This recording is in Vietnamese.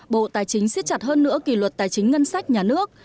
bộ tài chính siết chặt hơn nữa kỳ luật tài chính ngân sách nhà nước